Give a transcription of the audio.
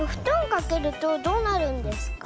かけるとどうなるんですか？